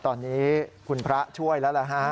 ตอนนี้คุณพระช่วยแล้วล่ะฮะ